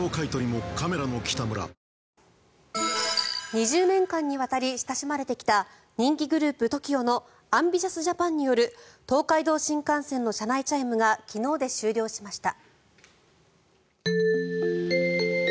２０年間にわたり親しまれてきた人気グループＴＯＫＩＯの「ＡＭＢＩＴＩＯＵＳＪＡＰＡＮ！」による東海道新幹線の車内チャイムが昨日で終了しました。